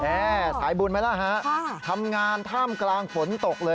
สายบุญไหมล่ะฮะทำงานท่ามกลางฝนตกเลย